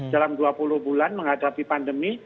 dalam dua puluh bulan menghadapi pandemi